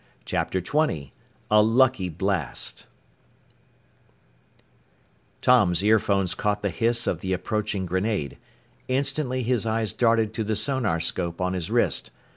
CHAPTER XX A LUCKY BLAST Tom's earphones caught the hiss of the approaching grenade. Instantly his eyes darted to the sonarscope on his wrist.